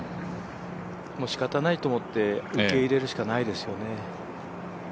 しかたないと思って受け入れるしかないですよね。